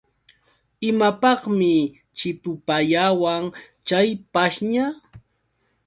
¿Imapaqmi chipupayawan chay pashña.?